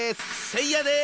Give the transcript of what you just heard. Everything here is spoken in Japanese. せいやです。